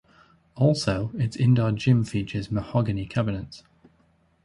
Also its indoor gym features mahogany cabinets.